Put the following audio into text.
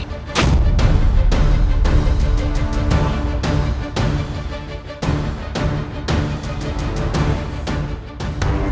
dan mereka juga